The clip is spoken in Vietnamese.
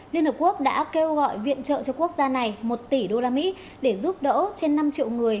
liên hợp quốc đã kêu gọi viện trợ cho quốc gia này một tỷ usd để giúp đỡ trên năm triệu người